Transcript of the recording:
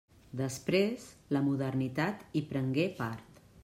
Després, la modernitat hi prengué part.